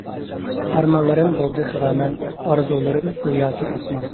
ئارمانلىرىم بولدى خىرامان، ئارزۇلىرىم گوياكى ئاسمان.